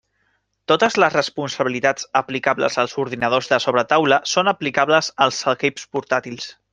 Totes les responsabilitats aplicables als ordinadors de sobretaula són aplicables als equips portàtils.